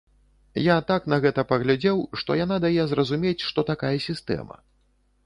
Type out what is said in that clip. Я так на гэта паглядзеў, што яна дае зразумець, што такая сістэма.